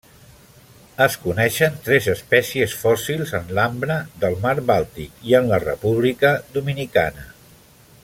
Es coneixen tres espècies fòssils en l'ambre del mar Bàltic i en la República Dominicana.